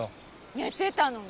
寝てたのに？